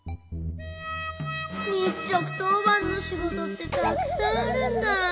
こころのこえにっちょくとうばんのしごとってたくさんあるんだ。